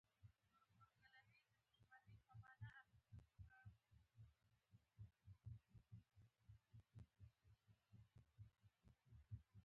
دوکاندار د خیر دعاوې کوي.